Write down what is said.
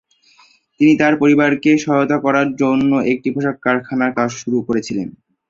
তিনি তাঁর পরিবারকে সহায়তা করার জন্য একটি পোশাক কারখানায় কাজ শুরু করেছিলেন।